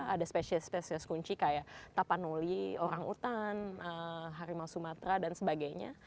ada spesies spesies kunci kayak tapanuli orang utan harimau sumatera dan sebagainya